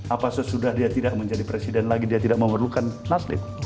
apa sesudah dia tidak menjadi presiden lagi dia tidak memerlukan atlet